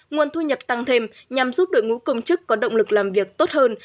nguồn thu nhập tăng thêm nhằm giúp đội ngũ công chức có động lực làm việc tốt hơn